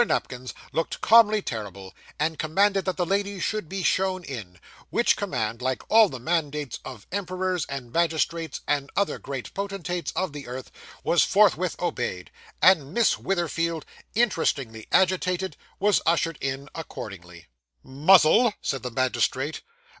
Nupkins looked calmly terrible, and commanded that the lady should be shown in; which command, like all the mandates of emperors, and magistrates, and other great potentates of the earth, was forthwith obeyed; and Miss Witherfield, interestingly agitated, was ushered in accordingly. 'Muzzle!' said the magistrate.